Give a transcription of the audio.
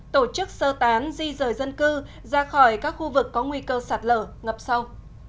tổ chức sơ tán di rời dân cư ra khỏi các khu vực có nguy cơ sạt lở ngập sâu